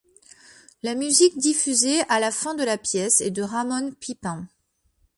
La musique diffusée à la fin de la pièce est de Ramon Pipin.